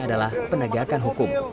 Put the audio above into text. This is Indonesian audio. adalah penegakan hukum